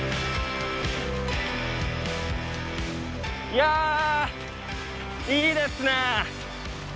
いやあいいですね！